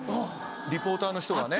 リポーターの人がね。